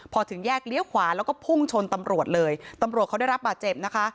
พอถึงแยกเลี้ยวขวาแล้วก็พุ่งชนตำรวจเลยตำรวจเขาได้รับบาดเจ็บนะคะ